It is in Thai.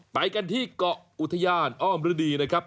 ไปกันที่เกาะอุทยานอ้อมฤดีนะครับ